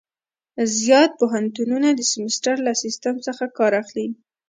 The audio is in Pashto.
زیات پوهنتونونه د سمستر له سیسټم څخه کار اخلي.